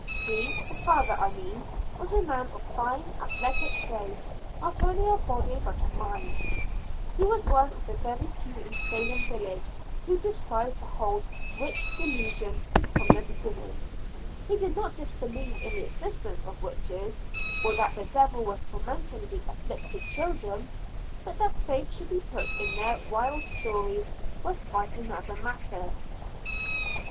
He, the father I mean, was a man of fine, athletic frame, not only of body but of mind. He was one of the very few in Salem village who despised the whole witch delusion from the beginning. He did not disbelieve in the existence of witches or that the devil was tormenting the "afflicted children" but that faith should be put in their wild stories was quite another matter.